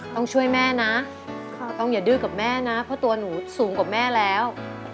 ต้องช่วยแม่นะต้องอย่าดื้อกับแม่นะเพราะตัวหนูสูงกว่าแม่แล้ว